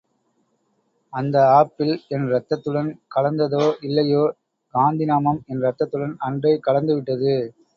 அந்த ஆப்பிள் என் ரத்தத்துடன் கலந்ததோ இல்லையோ காந்தி நாமம் என் ரத்தத்துடன் அன்றே கலந்து விட்டது.